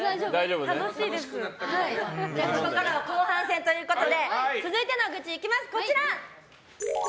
ここからは後半戦ということで続いての愚痴はこちら。